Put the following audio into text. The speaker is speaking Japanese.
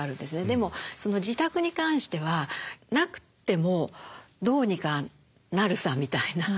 でも自宅に関してはなくてもどうにかなるさみたいな。